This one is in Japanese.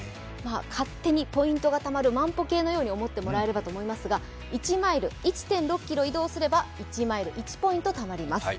勝手にポイントがたまる万歩計のように思ってもらえればいいんですが１マイル、１．６ｋｍ移動すれば１マイルたまります。